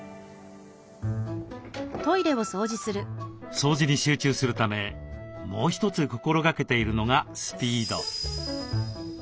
掃除に集中するためもう一つ心がけているのがスピード。